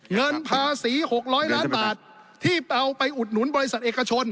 เงินภาษี๖๐๐ล้านบาทที่เอาไปอุดหนุนบริษัทเอกชน